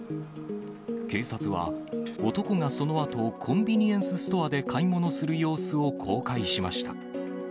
警察は、男がそのあと、コンビニエンスストアで買い物する様子を公開しました。